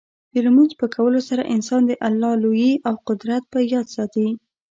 د لمونځ په کولو سره انسان د الله لویي او قدرت په یاد ساتي.